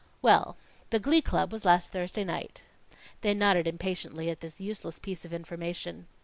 "Well the glee club was last Thursday night." They nodded impatiently at this useless piece of information.